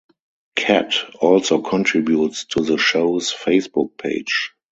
Katt also contributes to the show's Facebook page.